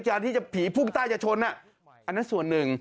ในการที่ผีพุ่งใต้จะชนน่ะอันนั้นส่วนหนึ่ง